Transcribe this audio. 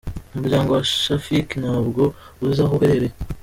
Umuryango wa Shafik ntabwo uzi aho aherereye.